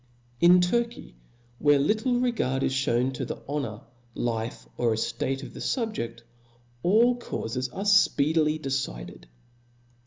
In Turky, where little regard is (hewn to the honor, life, or eftate of the fubje^, all caufes arc fpeedily decided.